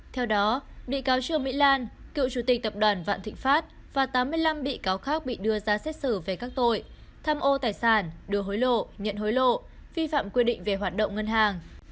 theo đó bị cáo trương mỹ lan cựu chủ tịch tập đoàn vạn thịnh pháp và tám mươi năm bị cáo khác bị đưa ra xét xử về các tội tham ô tài sản đưa hối lộ nhận hối lộ vi phạm quy định về hoạt động ngân hàng